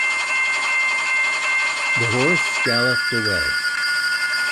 The horse galloped away.